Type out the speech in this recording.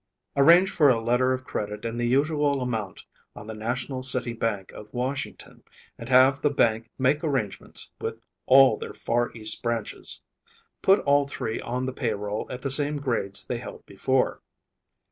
Arrange for a letter of credit in the usual amount on the National City Bank of Washington, and have the bank make arrangements with all their Far East branches. Put all three on the pay roll at the same grades they held before.